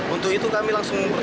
untuk itu kami langsung